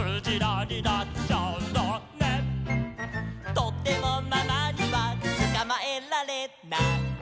「とてもママにはつかまえられない」